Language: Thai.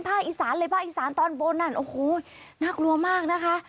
อีสานเลยภาคอีสานตอนบนนั่นโอ้โหน่ากลัวมากนะคะ